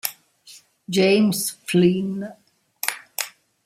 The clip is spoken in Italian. James Flynn